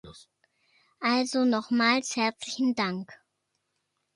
Also nochmals herzlichen Dank.